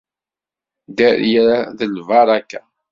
Dderya, d lbaraka.